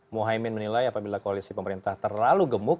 muhaymin menilai apabila koalisi pemerintah terlalu gemuk